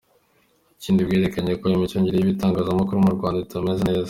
Ikindi bwerekanye ko imicungire y’ibitangazamakuru mu Rwanda itameze neza.